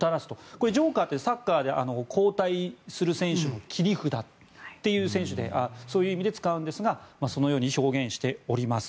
これ、ジョーカーってサッカーでは交代する選手の切り札という意味で使うんですがそういうふうに表現しております。